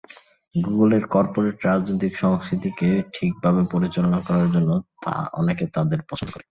গুগলের করপোরেট রাজনৈতিক সংস্কৃতিকে ঠিকভাবে পরিচালনা করার জন্য অনেকে তাঁকে পছন্দ করেন।